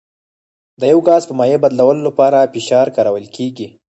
د یو ګاز په مایع بدلولو لپاره فشار کارول کیږي.